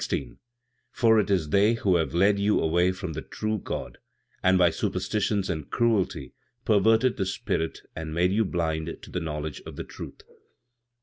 "For it is they who have led you away from the true God, and by superstitions and cruelty perverted the spirit and made you blind to the knowledge of the truth."